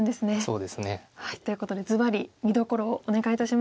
そうですね。ということでずばり見どころをお願いいたします。